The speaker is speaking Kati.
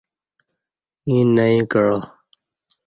ییں نئی کعہ۔